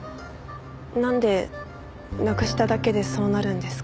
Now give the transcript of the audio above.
なんでなくしただけでそうなるんですか？